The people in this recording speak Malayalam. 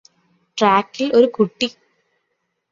ട്രാക്കില് ഒരു കുട്ടി